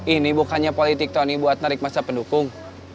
ini bukannya politik tony buat narik masa pendukung